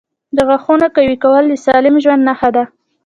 • د غاښونو قوي کول د سالم ژوند نښه ده.